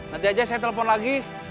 nanti aja saya telepon lagi